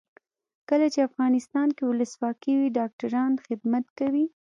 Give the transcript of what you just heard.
کله چې افغانستان کې ولسواکي وي ډاکټران خدمت کوي.